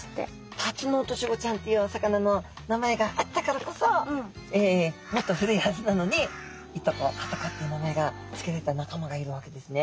タツノオトシゴちゃんっていうお魚の名前があったからこそもっと古いはずなのにイトコハトコっていう名前がつけられた仲間がいるわけですね。